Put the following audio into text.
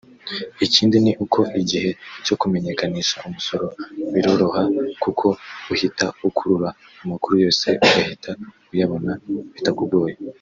Ikindi ni uko igihe cyo kumenyekanisha umusoro biroroha kuko uhita ukurura amakuru yose ugahita uyabona bitakugoye